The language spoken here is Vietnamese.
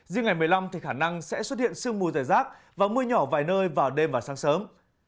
riêng ngày một mươi năm thì khả năng sẽ xuất hiện sương mù dày rác và mưa nhỏ vài nơi vào đêm và sáng sớm